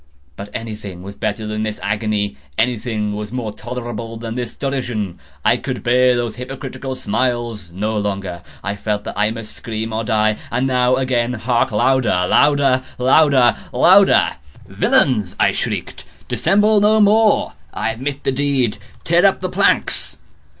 But anything was better than this agony! Anything was more tolerable than this derision! I could bear those hypocritical smiles no longer! I felt that I must scream or die! and now—again!—hark! louder! louder! louder! louder! "Villains!" I shrieked, "dissemble no more! I admit the deed!—tear up the planks!